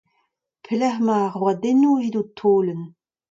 Pelecʼh emañ ar roadennoù evit ho taolenn ?